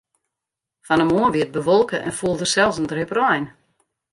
Fan 'e moarn wie it bewolke en foel der sels in drip rein.